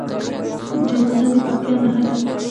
جلغوزه د پکتیا نښه ده.